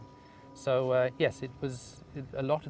banyak waktu yang kita lakukan